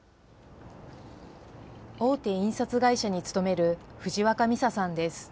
大手印刷会社に勤める藤若美沙さんです。